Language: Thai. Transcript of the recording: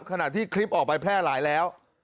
ขณะที่คลิปออกไปแพร่หลายแล้ว